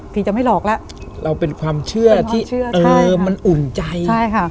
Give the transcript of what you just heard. ผีจะไม่หลอกแล้วเราเป็นความเชื่อที่มันอุ่นใจ